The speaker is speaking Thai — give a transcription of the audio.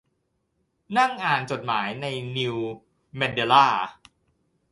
นั่งอ่าน จดหมาย ในนิวแมนเดล่า